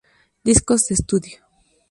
Discos de estudio